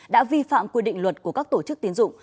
đã vi phạm quy định luật của các tổ chức tiến dụng